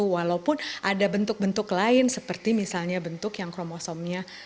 walaupun ada bentuk bentuk lain seperti misalnya bentuk yang kromosomnya